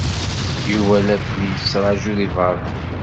Yuba la ken-yettṛaju deg beṛṛa.